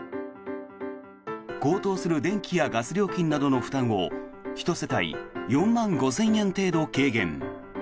高騰する電気やガス料金などの負担を１世帯４万５０００円程度軽減。